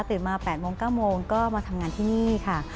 มา๘โมง๙โมงก็มาทำงานที่นี่ค่ะ